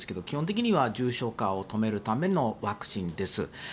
基本的には重症化を止めるためのワクチンです。